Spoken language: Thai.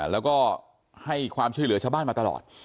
แล้วก็ให้ความช่วยเหลือชาวบ้านมาตลอด